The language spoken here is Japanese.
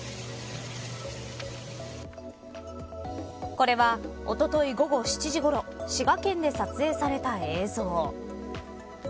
これはおととい午後７時ごろ滋賀県で撮影された映像。